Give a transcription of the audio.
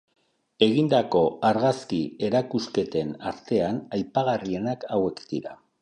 Egindako argazki-erakusketen artean aipagarrienak hauek dira.